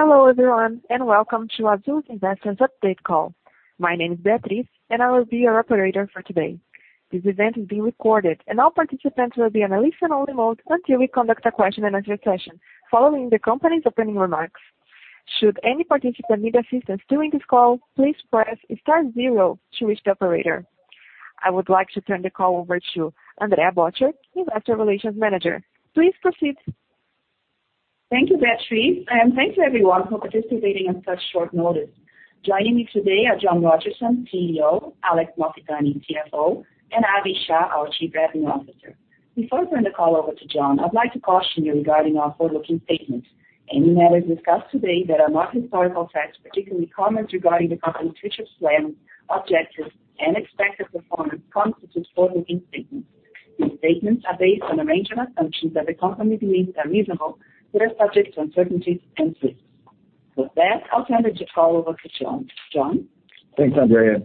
Hello everyone, and welcome to Azul's investors update call. My name is Beatrice, and I will be your operator for today. This event is being recorded, and all participants will be on a listen-only mode until we conduct a question and answer session following the company's opening remarks. Should any participant need assistance during this call, please press star zero to reach the operator. I would like to turn the call over to Andrea Böttcher, Investor Relations Manager. Please proceed. Thank you, Beatrice. Thanks everyone for participating on such short notice. Joining me today are John Rodgerson, CEO, Alex Malfitani, CFO, and Abhi Shah, our Chief Revenue Officer. Before I turn the call over to John, I'd like to caution you regarding our forward-looking statements. Any matters discussed today that are not historical facts, particularly comments regarding the company's future plans, objectives, and expected performance, constitute forward-looking statements. These statements are based on a range of assumptions that the company believes are reasonable, but are subject to uncertainties and risks. With that, I'll turn this call over to John. John? Thanks, Andrea.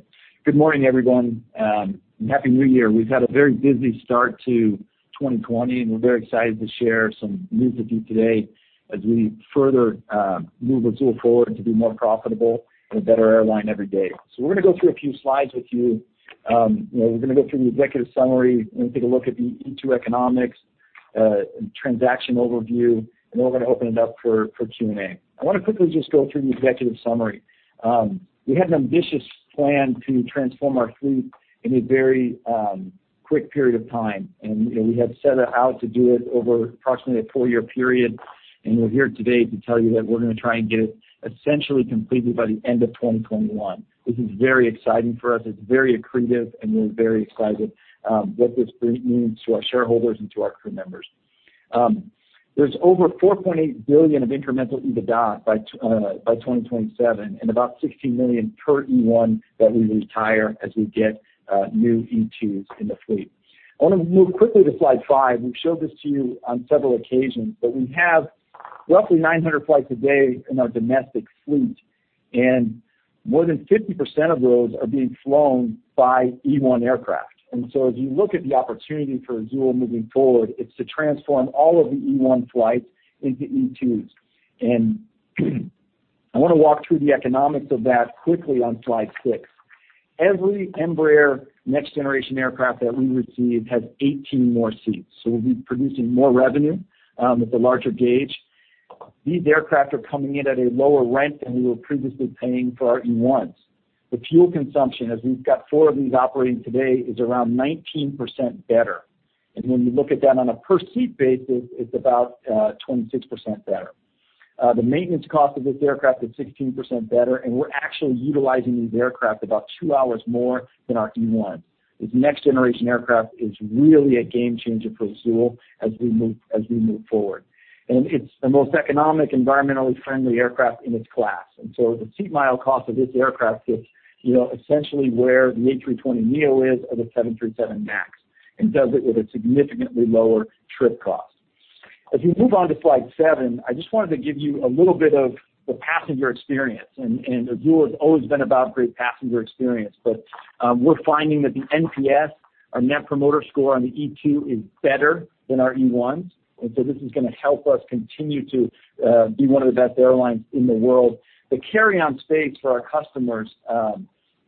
Good morning, everyone. Happy New Year. We've had a very busy start to 2020, and we're very excited to share some news with you today as we further move Azul forward to be more profitable and a better airline every day. We're going to go through a few slides with you. We're going to go through the executive summary, we're going to take a look at the E2 economics, transaction overview, and then we're going to open it up for Q&A. I want to quickly just go through the executive summary. We had an ambitious plan to transform our fleet in a very quick period of time, and we had set out to do it over approximately a four-year period, and we're here today to tell you that we're going to try and get it essentially completely by the end of 2021. This is very exciting for us. It's very accretive, and we're very excited what this means to our shareholders and to our crew members. There's over 4.8 billion of incremental EBITDA by 2027 and about 16 million per E1 that we retire as we get new E2s in the fleet. I want to move quickly to slide five. We've showed this to you on several occasions, but we have roughly 900 flights a day in our domestic fleet, and more than 50% of those are being flown by E1 aircraft. If you look at the opportunity for Azul moving forward, it's to transform all of the E1 flights into E2s. I want to walk through the economics of that quickly on slide six. Every Embraer next generation aircraft that we receive has 18 more seats, so we'll be producing more revenue with the larger gauge. These aircraft are coming in at a lower rent than we were previously paying for our E1s. The fuel consumption, as we've got four of these operating today, is around 19% better. When you look at that on a per seat basis, it's about 26% better. The maintenance cost of this aircraft is 16% better, and we're actually utilizing these aircraft about two hours more than our E1s. This next generation aircraft is really a game changer for Azul as we move forward. It's the most economic, environmentally friendly aircraft in its class. The seat mile cost of this aircraft is essentially where the A320neo is of the 737 MAX, and does it with a significantly lower trip cost. If you move on to slide seven, I just wanted to give you a little bit of the passenger experience. Azul has always been about great passenger experience. We're finding that the NPS, our Net Promoter Score on the E2 is better than our E1s. This is going to help us continue to be one of the best airlines in the world. The carry-on space for our customers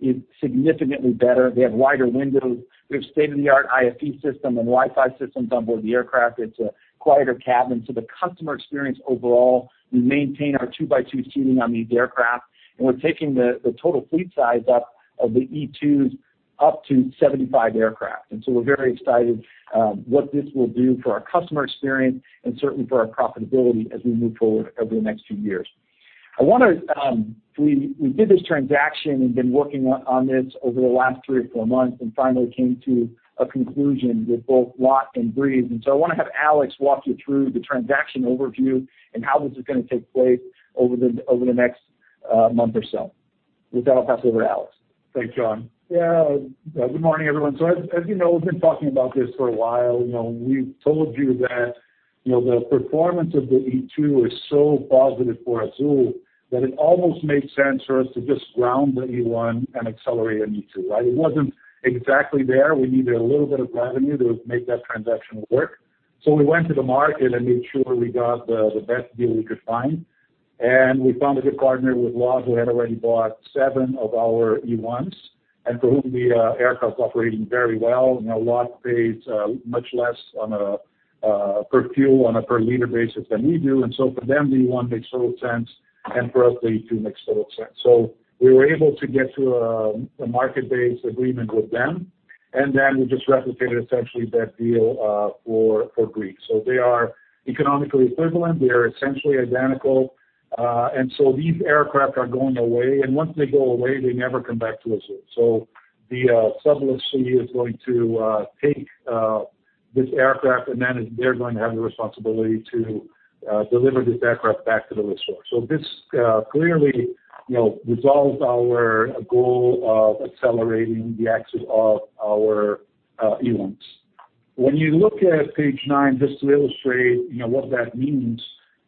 is significantly better. They have wider windows. We have state-of-the-art IFE system and Wi-Fi systems on board the aircraft. It's a quieter cabin. The customer experience overall, we maintain our two-by-two seating on these aircraft. We're taking the total fleet size up of the E2s up to 75 aircraft. We're very excited what this will do for our customer experience and certainly for our profitability as we move forward over the next few years. We did this transaction and been working on this over the last three or four months and finally came to a conclusion with both LOT and Breeze. I want to have Alex walk you through the transaction overview and how this is going to take place over the next month or so. With that, I'll pass it over to Alex. Thanks, John. Good morning, everyone. As you know, we've been talking about this for a while. We've told you that the performance of the E2 is so positive for Azul that it almost made sense for us to just ground the E1 and accelerate an E2, right? It wasn't exactly there. We needed a little bit of revenue to make that transaction work. We went to the market and made sure we got the best deal we could find, and we found a good partner with LOT who had already bought seven of our E1s, and for whom the aircraft's operating very well. LOT pays much less on a per fuel, on a per liter basis than we do, and so for them, the E1 makes total sense, and for us, the E2 makes total sense. We were able to get to a market-based agreement with them, and then we just replicated essentially that deal for Breeze. They are economically equivalent. They are essentially identical. These aircraft are going away, and once they go away, they never come back to Azul. The sublease fee is going to take this aircraft, and then they're going to have the responsibility to deliver this aircraft back to the lessor. This clearly resolves our goal of accelerating the exit of our E1s. When you look at page nine, just to illustrate what that means,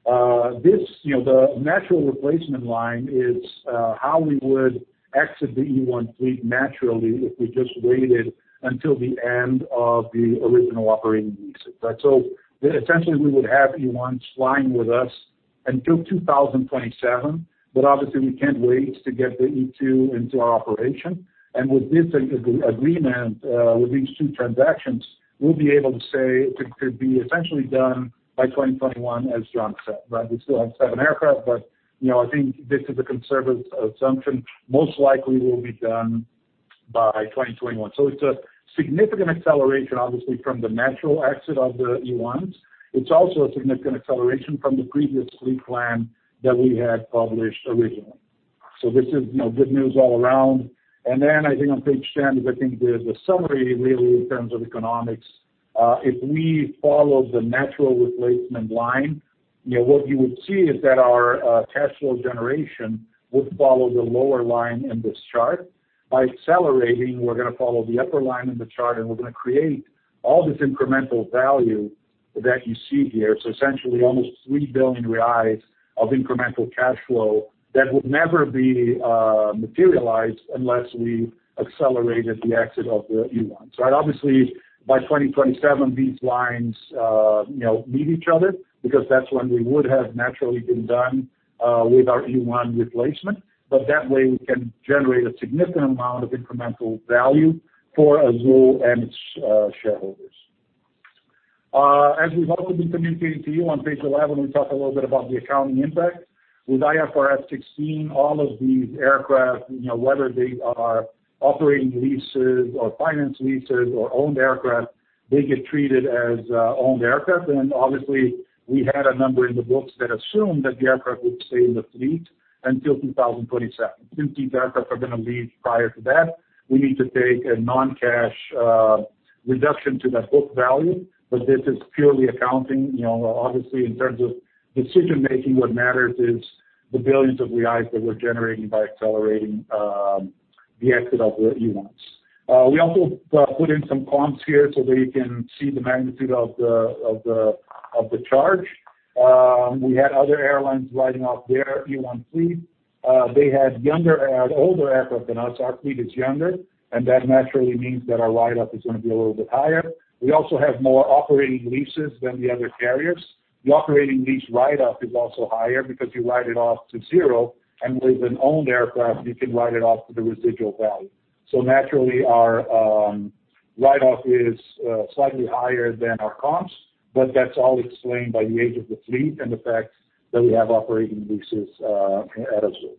the natural replacement line is how we would exit the E1 fleet naturally if we just waited until the end of the original operating leases. Essentially, we would have E1s flying with us until 2027. Obviously we can't wait to get the E2 into our operation. With this agreement, with these two transactions, we'll be able to say it could be essentially done by 2021, as John said, right? We still have seven aircraft, but I think this is a conservative assumption. Most likely we'll be done by 2021. It's a significant acceleration, obviously, from the natural exit of the E1s. It's also a significant acceleration from the previous fleet plan that we had published originally. This is good news all around. I think on page 10, there's a summary really, in terms of economics. If we follow the natural replacement line, what you would see is that our cash flow generation would follow the lower line in this chart. By accelerating, we're going to follow the upper line in the chart, and we're going to create all this incremental value that you see here. Essentially almost 3 billion reais of incremental cash flow that would never be materialized unless we accelerated the exit of the E1. Obviously, by 2027, these lines meet each other, because that's when we would have naturally been done with our E1 replacement. That way we can generate a significant amount of incremental value for Azul and its shareholders. As we've also been communicating to you on page 11, when we talk a little bit about the accounting impact. With IFRS 16, all of these aircraft, whether they are operating leases or finance leases or owned aircraft, they get treated as owned aircraft. Obviously we had a number in the books that assumed that the aircraft would stay in the fleet until 2027. Since these aircraft are going to leave prior to that, we need to take a non-cash reduction to that book value. This is purely accounting. Obviously, in terms of decision-making, what matters is the billions of reais that we're generating by accelerating the exit of the E1s. We also put in some comps here so that you can see the magnitude of the charge. We had other airlines writing off their E1 fleet. They had older aircraft than us. Our fleet is younger, and that naturally means that our write-off is going to be a little bit higher. We also have more operating leases than the other carriers. The operating lease write-off is also higher because you write it off to zero, and with an owned aircraft, you can write it off to the residual value. Naturally, our write-off is slightly higher than our comps, but that's all explained by the age of the fleet and the fact that we have operating leases at Azul.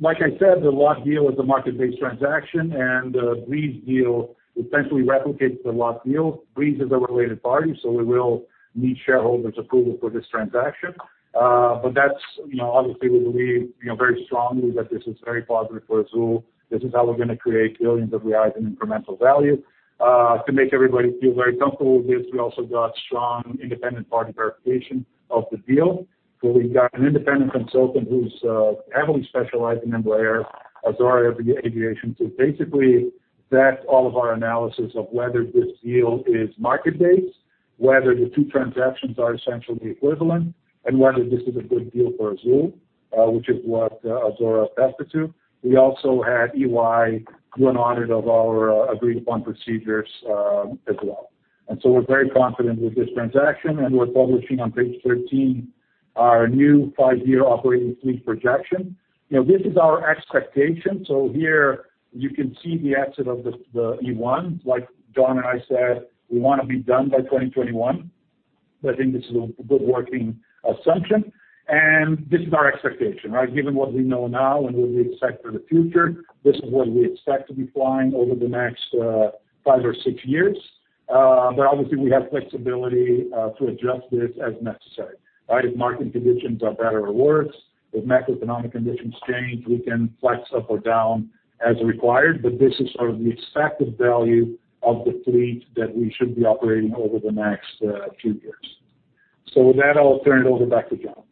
Like I said, the LOT deal is a market-based transaction, the Breeze deal essentially replicates the LOT deal. Breeze is a related party, we will need shareholders' approval for this transaction. Obviously we believe very strongly that this is very positive for Azul. This is how we're going to create billions of reais in incremental value. To make everybody feel very comfortable with this, we also got strong independent party verification of the deal. We've got an independent consultant who's heavily specialized in Embraer, Azorra Aviation, to basically vet all of our analysis of whether this deal is market-based, whether the two transactions are essentially equivalent, and whether this is a good deal for Azul, which is what Azorra attested to. We also had EY do an audit of our agreed-upon procedures as well. We're very confident with this transaction, and we're publishing on page 13 our new five-year operating fleet projection. This is our expectation. Here you can see the exit of the E1. Like John and Abhi said, we want to be done by 2021. I think this is a good working assumption, and this is our expectation, right? Given what we know now and what we expect for the future, this is what we expect to be flying over the next five or six years. Obviously we have flexibility to adjust this as necessary. Right? If market conditions are better or worse, if macroeconomic conditions change, we can flex up or down as required. This is the expected value of the fleet that we should be operating over the next few years. With that, I'll turn it over back to John.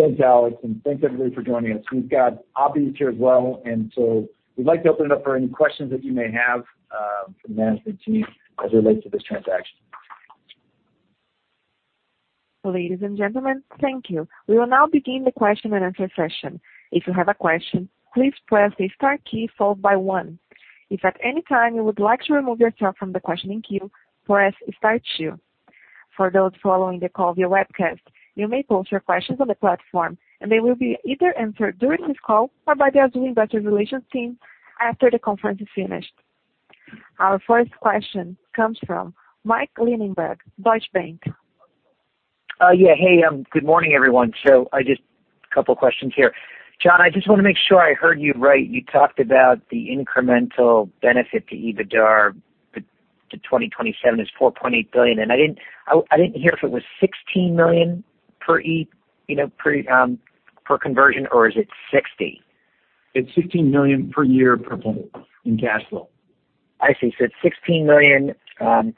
Thanks, Alex. Thanks everybody for joining us. We've got Abhi here as well. We'd like to open it up for any questions that you may have for the management team as it relates to this transaction. Ladies and gentlemen, thank you. We will now begin the question and answer session. If you have a question, please press the star key followed by one. If at any time you would like to remove yourself from the questioning queue, press star two. For those following the call via webcast, you may post your questions on the platform, and they will be either answered during this call or by the Azul Investor Relations team after the conference is finished. Our first question comes from Mike Linenberg, Deutsche Bank. Yeah. Hey, good morning, everyone. Just a couple of questions here. John, I just want to make sure I heard you right. You talked about the incremental benefit to EBITDAR to 2027 is 4.8 billion, and I didn't hear if it was 16 million per conversion, or is it 60 million? It's 16 million per year per plane in cash flow. I see. It's 16 million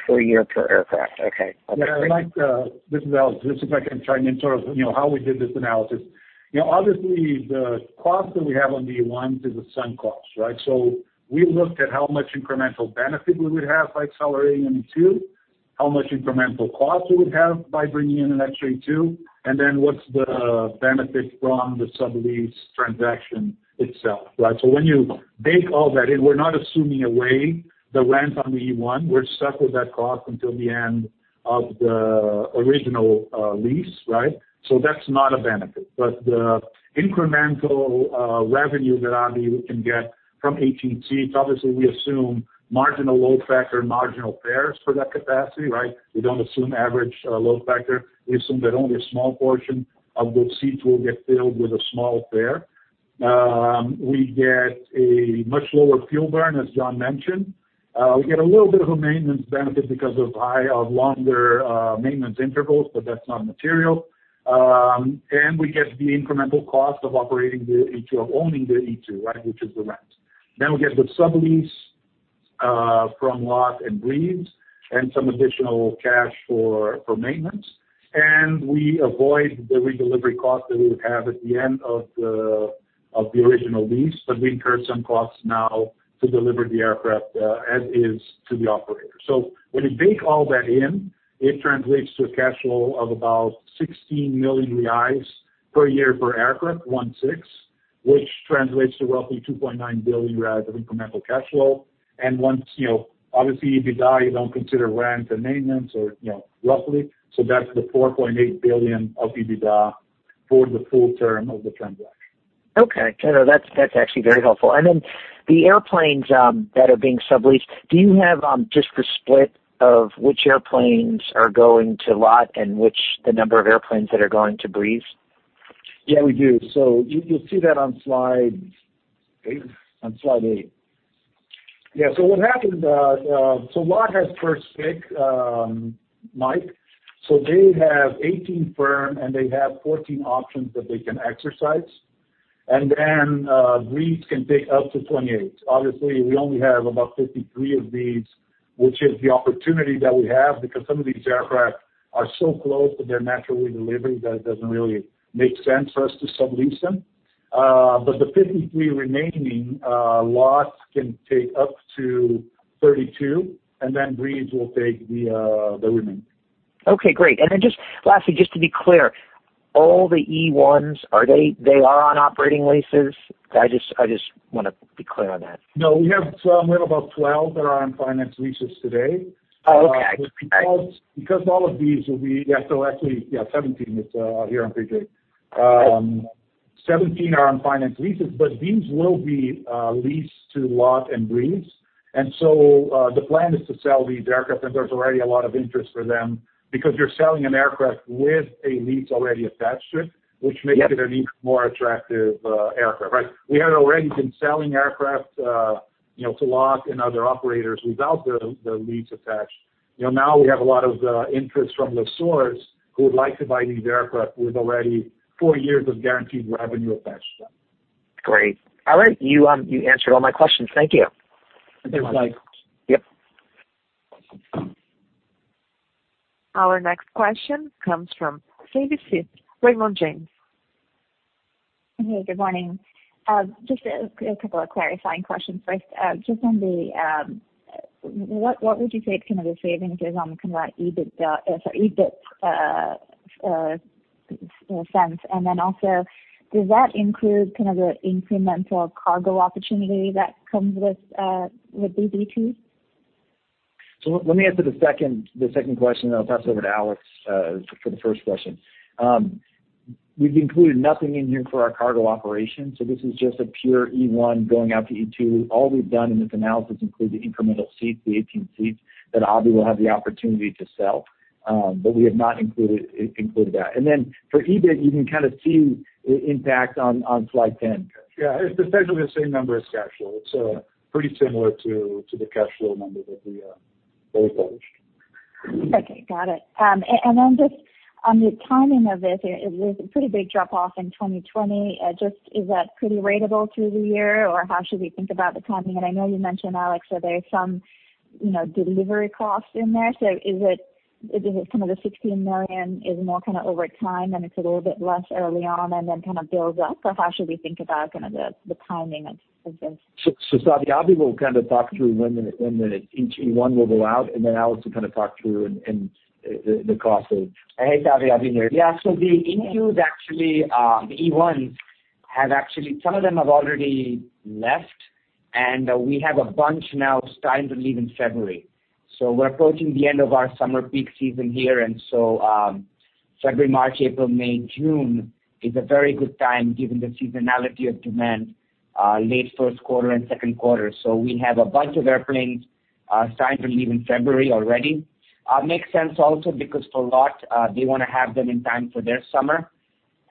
per year per aircraft. Okay. That's great. Yeah. This is Alex. Just if I can chime in terms of how we did this analysis. Obviously the cost that we have on the E1s is a sunk cost, right? We looked at how much incremental benefit we would have by accelerating E2. How much incremental cost we would have by bringing in an extra E2, and then what's the benefit from the sublease transaction itself. When you bake all that in, we're not assuming away the rent on the E1, we're stuck with that cost until the end of the original lease. That's not a benefit. The incremental revenue that can get from AT&T, obviously we assume marginal load factor and marginal fares for that capacity. We don't assume average load factor. We assume that only a small portion of those seats will get filled with a small fare. We get a much lower fuel burn, as John mentioned. We get a little bit of a maintenance benefit because of longer maintenance intervals, that's not material. We get the incremental cost of operating the E2, of owning the E2, which is the rent. We get the sublease from LOT and Breeze, and some additional cash for maintenance. We avoid the redelivery cost that we would have at the end of the original lease, we incur some costs now to deliver the aircraft as is to the operator. When you bake all that in, it translates to a cash flow of about 16 million reais per year per aircraft, 16 million, which translates to roughly 2.9 billion reais of incremental cash flow. Obviously, EBITDA, you don't consider rent and maintenance, roughly. That's the 4.8 billion of EBITDA for the full term of the transaction. Okay. No, that's actually very helpful. The airplanes that are being subleased, do you have just the split of which airplanes are going to LOT, and the number of airplanes that are going to Breeze? Yeah, we do. You'll see that on slide eight. What happened, LOT has first pick, Mike. They have 18 firm, and they have 14 options that they can exercise. Breeze can take up to 28. Obviously, we only have about 53 of these, which is the opportunity that we have, because some of these aircraft are so close to their natural redelivery that it doesn't really make sense for us to sublease them. The 53 remaining, LOT can take up to 32, Breeze will take the remaining. Okay, great. Then lastly, just to be clear, all the E1s, they are on operating leases? I just want to be clear on that. No, we have about 12 that are on finance leases today. Oh, okay. Actually, 17. It's here on page eight. 17 are on finance leases, but these will be leased to LOT and Breeze. The plan is to sell these aircraft, and there's already a lot of interest for them, because you're selling an aircraft with a lease already attached to it. Yep. Which makes it an even more attractive aircraft. We had already been selling aircraft to LOT and other operators without the lease attached. Now we have a lot of interest from lessors who would like to buy these aircraft with already four years of guaranteed revenue attached to them. Great. All right. You answered all my questions. Thank you. Thanks, Mike. Yep. Our next question comes from Savi Syth, Raymond James. Hey, good morning. Just a couple of clarifying questions. First, just what would you say kind of the savings is on kind of that EBIT sense? Also, does that include kind of the incremental cargo opportunity that comes with the E2s? Let me answer the second question, and then I'll pass it over to Alex for the first question. We've included nothing in here for our cargo operations. This is just a pure E1 going out to E2. All we've done in this analysis include the incremental seats, the 18 seats, that Abhi will have the opportunity to sell. We have not included that. Then for EBIT, you can kind of see impact on slide 10. Yeah. It's essentially the same number as cash flow. It's pretty similar to the cash flow number that we both published. Okay. Got it. Just on the timing of it, there's a pretty big drop-off in 2020. Is that pretty ratable through the year, or how should we think about the timing? I know you mentioned, Alex, are there some delivery costs in there? Is it some of the 16 million is more kind of over time, and it's a little bit less early on, and then kind of builds up? How should we think about kind of the timing of this? Abhi will kind of talk through when each E1 will go out, then Alex will kind of talk through. Hey, Savi. Abhi here. Yeah. The E2s actually, the E1s, some of them have already left, and we have a bunch now starting to leave in February. We're approaching the end of our summer peak season here. February, March, April, May, June is a very good time given the seasonality of demand, late first quarter and second quarter. We have a bunch of airplanes starting to leave in February already. Makes sense also because for LOT, they want to have them in time for their summer,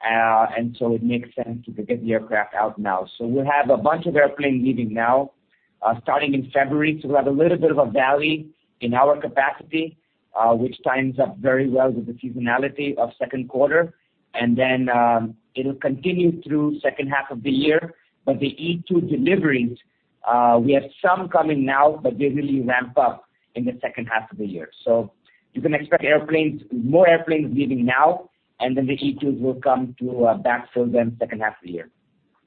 and so it makes sense to get the aircraft out now. We have a bunch of airplanes leaving now, starting in February. We'll have a little bit of a valley in our capacity, which lines up very well with the seasonality of second quarter. It'll continue through second half of the year. The E2 deliveries, we have some coming now, but they really ramp up in the second half of the year. You can expect more airplanes leaving now, and then the E2s will come to backfill them second half of the year.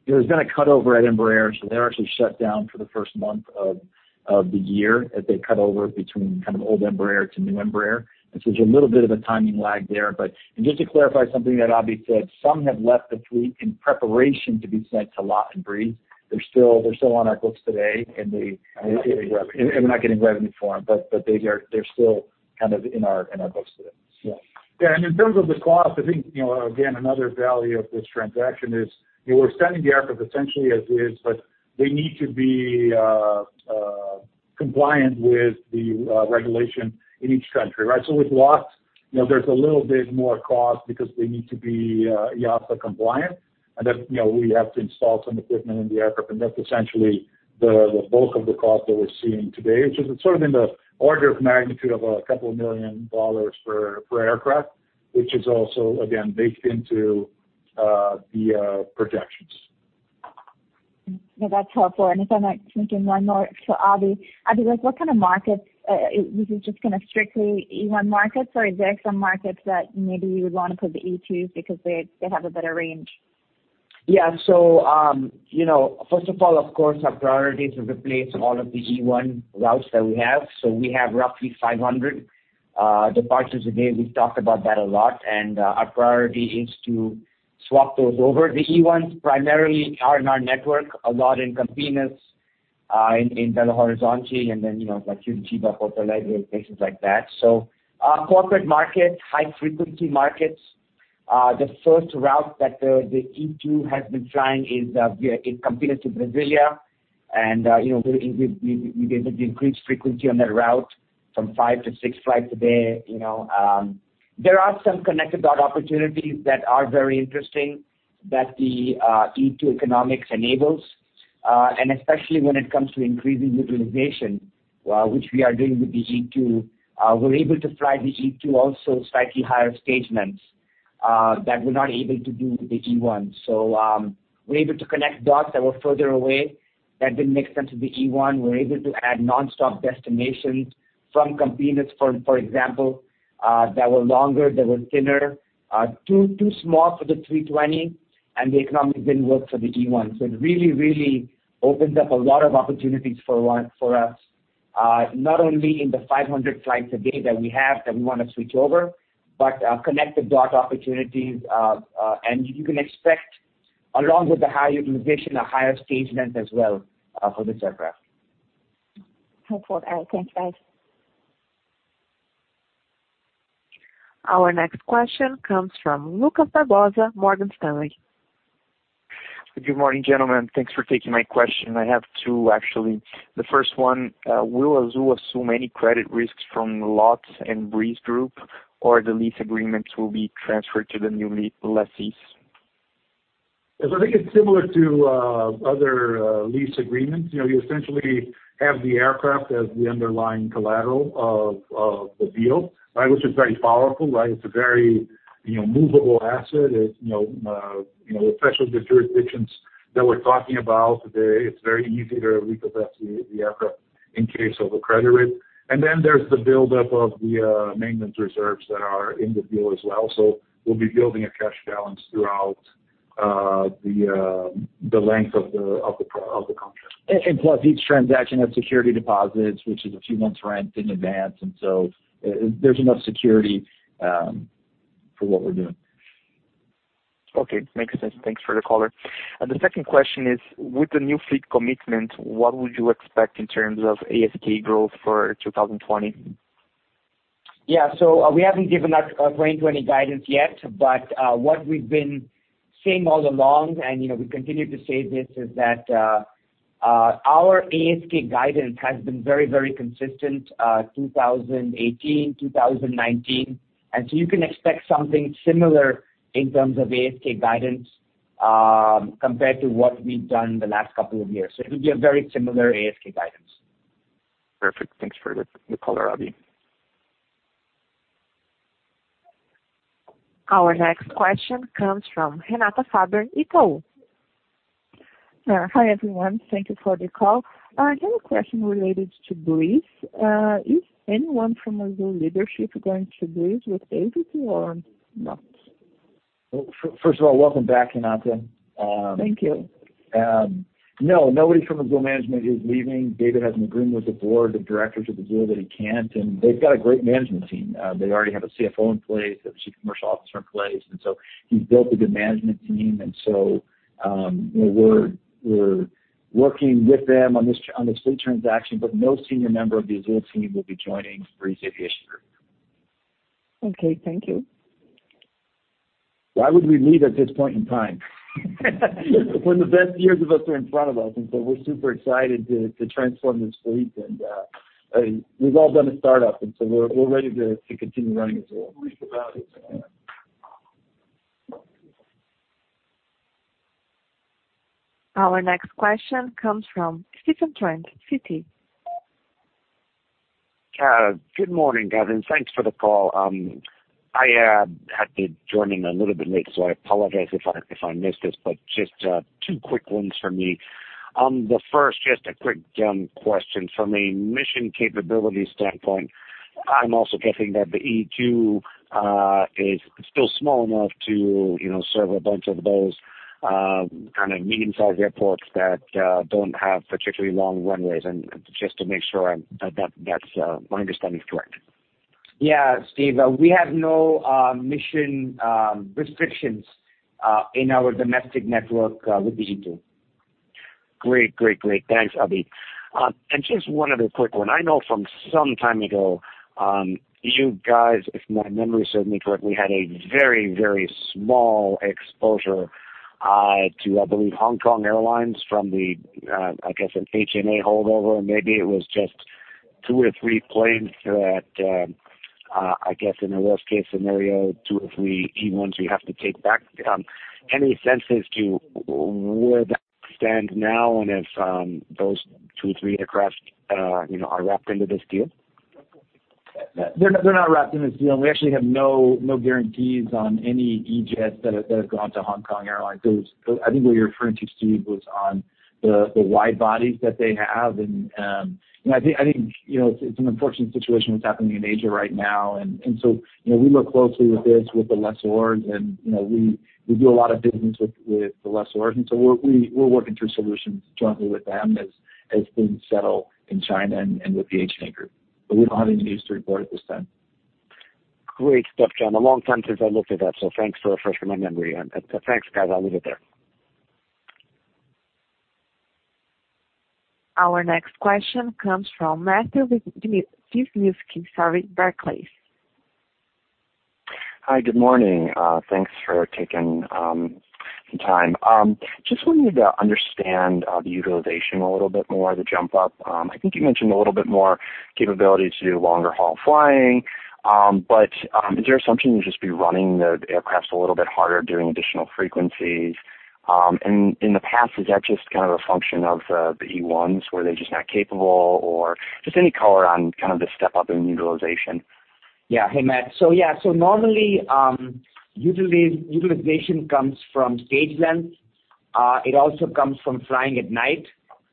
There's been a cut over at Embraer, so they're actually shut down for the first month of the year as they cut over between old Embraer to new Embraer and so there's a little bit of timing lag there. Just to clarify something that Abhi said, some have left the fleet in preparation to be sent to LOT and Breeze. They're still on our books today, and we're not getting revenue for them. They're still in our books today. Yeah. In terms of the cost, I think, again, another value of this transaction is we're sending the aircraft essentially as is, but they need to be compliant with the regulation in each country, right? With LOT, there's a little bit more cost because they need to be EASA compliant, and then we have to install some equipment in the aircraft, and that's essentially the bulk of the cost that we're seeing today, which is sort of in the order of magnitude of a couple of million dollars for aircraft, which is also, again, baked into the projections. No, that's helpful. If I might sneak in one more to Abhi. Abhi, what kind of markets, is this just kind of strictly E1 markets or are there some markets that maybe you would want to put the E2s because they have a better range? Yeah. First of all, of course, our priority is to replace all of the E1 routes that we have. We have roughly 500 departures a day. We've talked about that a lot, and our priority is to swap those over. The E1s primarily are in our network, a lot in Campinas, in Belo Horizonte, and then Curitiba, Porto Alegre, places like that. Our corporate market, high-frequency markets, the first route that the E2 has been flying is Campinas to Brasília. We did the increased frequency on that route from five to six flights a day. There are some connected dot opportunities that are very interesting that the E2 economics enables, and especially when it comes to increasing utilization, which we are doing with the E2. We're able to fly the E2 also slightly higher stage lengths that we're not able to do with the E1. We're able to connect dots that were further away that didn't make sense with the E1. We're able to add nonstop destinations from Campinas, for example, that were longer, that were thinner, too small for the 320, and the economics didn't work for the E1. It really opens up a lot of opportunities for us, not only in the 500 flights a day that we have that we want to switch over, but connected dot opportunities. You can expect, along with the high utilization, a higher stage length as well for this aircraft. Helpful. Thanks, guys. Our next question comes from Lucas Barbosa, Morgan Stanley. Good morning, gentlemen. Thanks for taking my question. I have two, actually. The first one, will Azul assume any credit risks from LOT and Breeze Group, or the lease agreements will be transferred to the new lessees? I think it's similar to other lease agreements. You essentially have the aircraft as the underlying collateral of the deal, which is very powerful. It's a very movable asset. Especially the jurisdictions that we're talking about today, it's very easy to repossess the aircraft in case of a credit risk. Then there's the buildup of the maintenance reserves that are in the deal as well. We'll be building a cash balance throughout the length of the contract. Plus each transaction has security deposits, which is a few months rent in advance. There's enough security for what we're doing. Okay. Makes sense. Thanks for the color. The second question is, with the new fleet commitment, what would you expect in terms of ASK growth for 2020? Yeah. We haven't given our brain to any guidance yet, but what we've been saying all along, and we continue to say this, is that our ASK guidance has been very, very consistent 2018, 2019. You can expect something similar in terms of ASK guidance compared to what we've done the last couple of years. It'll be a very similar ASK guidance. Perfect. Thanks for the color, Abhi. Our next question comes from Renata Faber, Itaú. Hi, everyone. Thank you for the call. I have a question related to Breeze. Is anyone from Azul leadership going to Breeze with David or not? First of all, welcome back, Renata. Thank you. No, nobody from Azul management is leaving. David has an agreement with the board of directors of Azul that he can't, they've got a great management team. They already have a CFO in place. They have a Chief Commercial Officer in place, he's built a good management team. We're working with them on this fleet transaction, no senior member of the Azul team will be joining Breeze Aviation Group. Okay. Thank you. Why would we leave at this point in time? When the best years of us are in front of us? We're super excited to transform this fleet and we've all done a startup, and so we're ready to continue running Azul. Our next question comes from Stephen Trent, Citi. Good morning, guys, and thanks for the call. I had to join in a little bit late, so I apologize if I missed this, but just two quick ones for me. On the first, just a quick question. From a mission capability standpoint, I'm also guessing that the E2 is still small enough to serve a bunch of those kind of medium-sized airports that don't have particularly long runways. Just to make sure that my understanding is correct. Yeah. Steve, we have no mission restrictions in our domestic network with the E2. Great. Thanks, Abhi. Just one other quick one. I know from some time ago, you guys, if my memory serves me correctly, had a very small exposure to, I believe, Hong Kong Airlines from the, I guess, an HNA holdover. Maybe it was just two or three planes that, I guess in a worst-case scenario, two or three E1s you have to take back. Any sense as to where that stands now and if those two or three aircraft are wrapped into this deal? They're not wrapped in this deal, and we actually have no guarantees on any E-jets that have gone to Hong Kong Airlines. I think what you're referring to, Steve, was on the wide bodies that they have. I think it's an unfortunate situation that's happening in Asia right now. We look closely with this, with the lessors, and we do a lot of business with the lessors, and so we're working through solutions jointly with them as things settle in China and with the HNA Group. We don't have any news to report at this time. Great stuff, John. A long time since I looked at that, so thanks for refreshing my memory. Thanks, guys. I'll leave it there. Our next question comes from Matthew Bouley, sorry, Barclays. Hi. Good morning. Thanks for taking some time. Just wanted to understand the utilization a little bit more, the jump up. I think you mentioned a little bit more capability to do longer haul flying. Is there assumption you'll just be running the aircraft a little bit harder, doing additional frequencies? In the past, is that just kind of a function of the E1s? Were they just not capable, or just any color on kind of the step up in utilization? Hey, Matt. Normally, utilization comes from stage length. It also comes from flying at night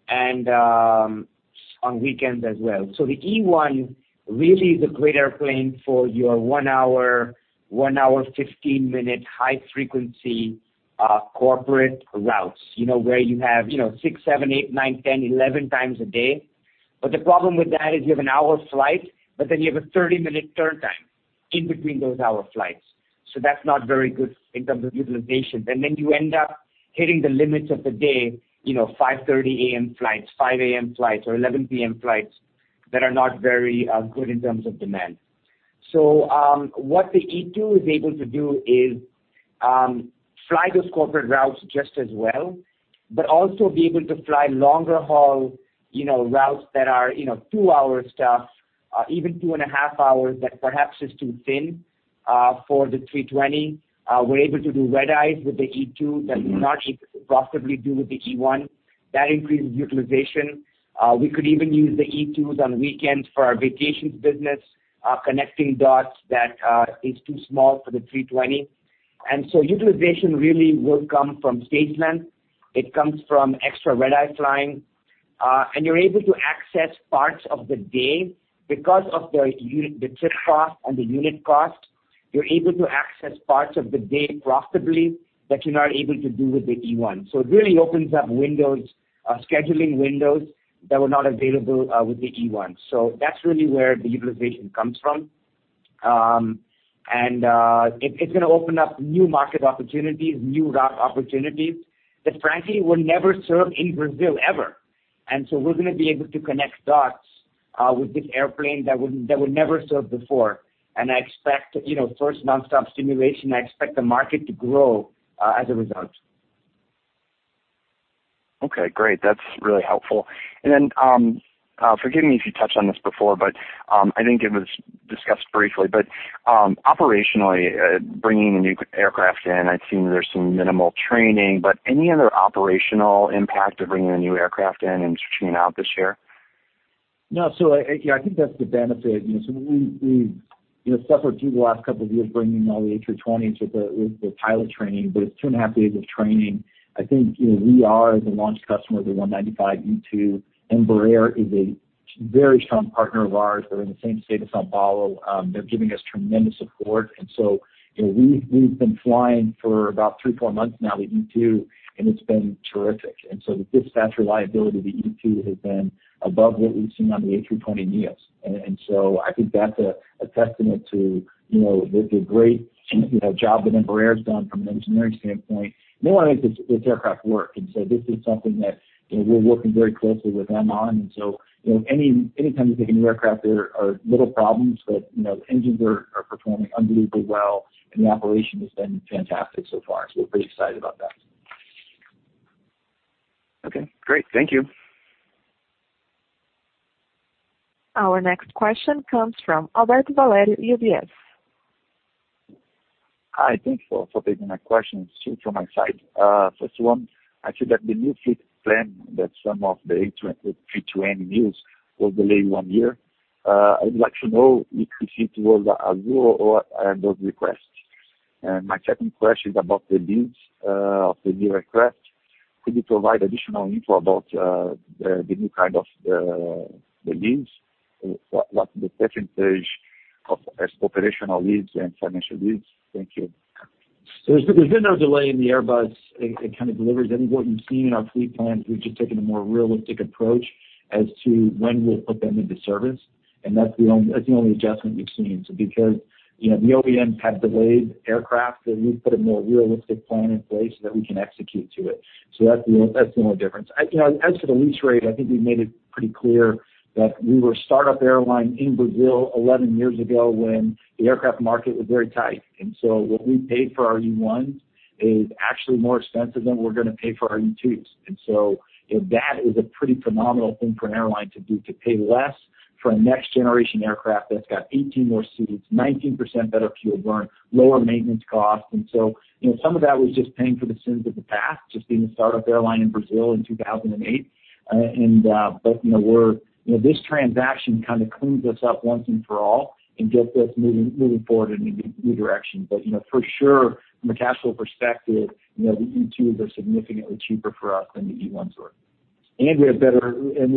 and on weekends as well. The E1 really is a great airplane for your one hour, one hour 15 minutes high-frequency corporate routes, where you have six, seven, eight, nine, 10, 11 times a day. The problem with that is you have an hour flight, but then you have a 30-minute turn time in between those hour flights. That's not very good in terms of utilization. You end up hitting the limits of the day, 5:30 A.M. flights, 5:00 A.M. flights, or 11:00 P.M. flights that are not very good in terms of demand. What the E2 is able to do is fly those corporate routes just as well, but also be able to fly longer haul routes that are two-hour stuff, even 2.5 hours, that perhaps is too thin for the 320. We're able to do red-eyes with the E2 that you cannot possibly do with the E1. That increases utilization. We could even use the E2s on weekends for our vacations business, connecting dots that is too small for the 320. Utilization really will come from stage length. It comes from extra red-eye flying. You're able to access parts of the day because of the trip cost and the unit cost. You're able to access parts of the day profitably that you're not able to do with the E1. It really opens up scheduling windows that were not available with the E1. That's really where the utilization comes from. It's going to open up new market opportunities, new route opportunities that frankly were never served in Brazil ever. We're going to be able to connect dots with this airplane that were never served before. I expect first nonstop stimulation. I expect the market to grow as a result. Okay, great. That's really helpful. Then, forgive me if you touched on this before, but I think it was discussed briefly. Operationally, bringing the new aircraft in, I'd seen there's some minimal training, but any other operational impact of bringing the new aircraft in and switching out this year? No. I think that's the benefit. We suffered through the last couple of years bringing all the A320s with the pilot training, but it's 2.5 days of training. I think we are the launch customer of the E195-E2, and Embraer is a very strong partner of ours. They're in the same state of São Paulo. They're giving us tremendous support. We've been flying for about three, four months now, the E2, and it's been terrific. The dispatch reliability of the E2 has been above what we've seen on the A320neos. I think that's a testament to the great job that Embraer's done from an engineering standpoint. They want to make this aircraft work, and so this is something that we're working very closely with them on. Anytime you take a new aircraft, there are little problems, but engines are performing unbelievably well, and the operation has been fantastic so far. We're pretty excited about that. Okay, great. Thank you. Our next question comes from Alberto Valerio, UBS. Hi. Thanks for taking my questions. Two from my side. First one, I see that the new fleet plan that some of the A320neos was delayed one year. I would like to know if it was Azul or those requests? My second question is about the deals of the new aircraft. Could you provide additional info about the new kind of the deals? What the percentage as operational leases and financial leases? Thank you. There's been no delay in the Airbus deliveries. I think what you've seen in our fleet plans, we've just taken a more realistic approach as to when we'll put them into service, and that's the only adjustment we've seen. Because the OEM had delayed aircraft, so we put a more realistic plan in place so that we can execute to it. That's the only difference. As for the lease rate, I think we've made it pretty clear that we were a start-up airline in Brazil 11 years ago when the aircraft market was very tight. What we paid for our E1s is actually more expensive than we're going to pay for our E2s. That is a pretty phenomenal thing for an airline to do, to pay less for a next generation aircraft that's got 18 more seats, 19% better fuel burn, lower maintenance costs. Some of that was just paying for the sins of the past, just being a start-up airline in Brazil in 2008. This transaction kind of cleans us up once and for all and gets us moving forward in a new direction. For sure, from a capital perspective, the E2s are significantly cheaper for us than the E1s were. We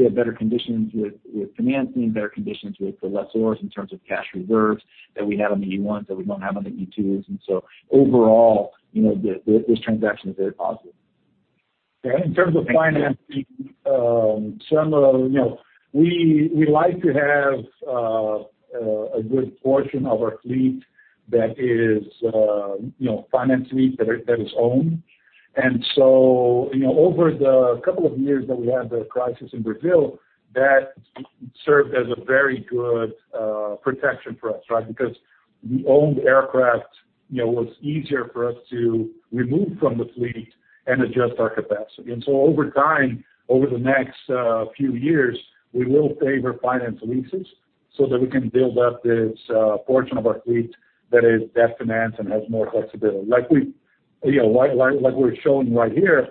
have better conditions with financing, better conditions with the lessors in terms of cash reserves that we have on the E1s that we don't have on the E2s, overall, this transaction is very positive. In terms of financing, we like to have a good portion of our fleet that is finance lease that is owned. Over the couple of years that we had the crisis in Brazil, that served as a very good protection for us, right? Because the owned aircraft was easier for us to remove from the fleet and adjust our capacity. Over time, over the next few years, we will favor finance leases so that we can build up this portion of our fleet that is debt financed and has more flexibility. Like we're showing right here,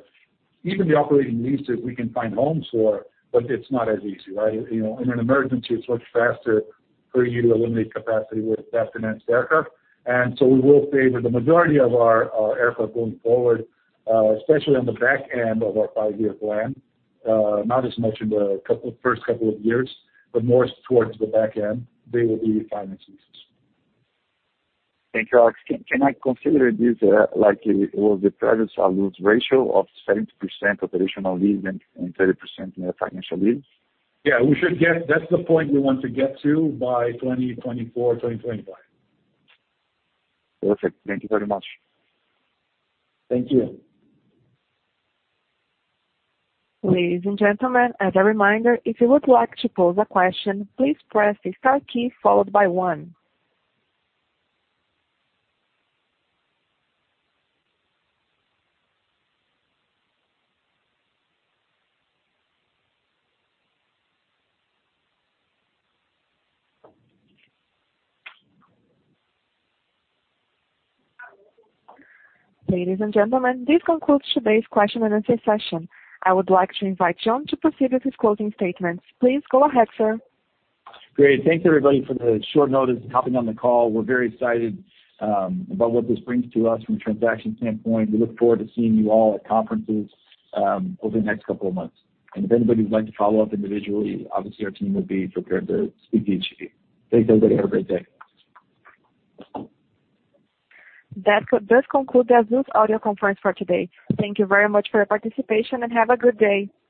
even the operating leases we can find homes for, but it's not as easy, right? In an emergency, it's much faster for you to eliminate capacity with a debt-financed aircraft. We will favor the majority of our aircraft going forward, especially on the back end of our five-year plan. Not as much in the first couple of years, but more towards the back end, they will be finance leases. Thank you. Can I consider this like the previous Azul's ratio of 70% operational leases and 30% financial leases? Yeah, that's the point we want to get to by 2024, 2025. Perfect. Thank you very much. Thank you. Ladies and gentlemen, as a reminder, if you would like to pose a question, please press the star key followed by one. Ladies and gentlemen, this concludes today's question and answer session. I would like to invite John to proceed with his closing statements. Please go ahead, sir. Great. Thanks, everybody, for the short notice and hopping on the call. We're very excited about what this brings to us from a transaction standpoint. We look forward to seeing you all at conferences over the next couple of months. And if anybody would like to follow up individually, obviously our team would be prepared to speak to each of you. Thanks, everybody. Have a great day. That does conclude the Azul audio conference for today. Thank you very much for your participation, and have a good day.